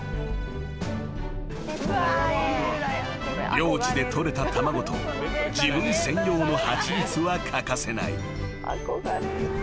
［領地でとれた卵と自分専用の蜂蜜は欠かせない］